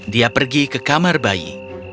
dia pergi ke kamar bayi